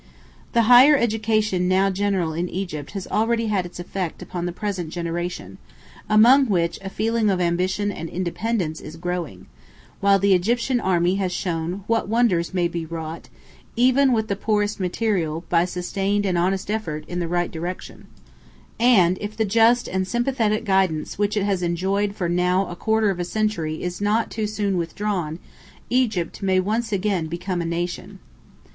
The higher education now general in Egypt has already had its effect upon the present generation, among which a feeling of ambition and independence is growing, while the Egyptian army has shown what wonders may be wrought, even with the poorest material, by sustained and honest effort in the right direction; and if the just and sympathetic guidance which it has enjoyed for now a quarter of a century is not too soon withdrawn, Egypt may once again become a nation.